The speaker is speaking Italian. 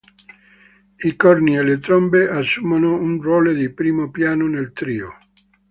I corni e le trombe assumono un ruolo di primo piano nel trio.